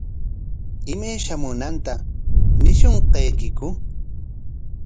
¿Imay shamunanta ñishunqaykiku?